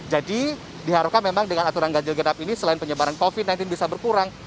jadi diharukan memang dengan aturan ganjil genap ini selain penyebaran covid sembilan belas bisa berkurang